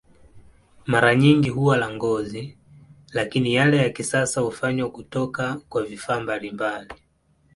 Mara nyingi huwa la ngozi, lakini yale ya kisasa hufanywa kutoka kwa vifaa mbalimbali.